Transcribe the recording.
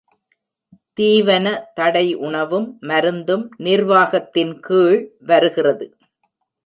தீவன தடை உணவும் மருந்தும் நிர்வாகத்தின் கீழ் வருகிறது.